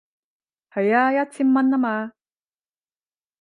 係啊，一千蚊吖嘛